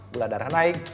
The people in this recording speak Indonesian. gula darah naik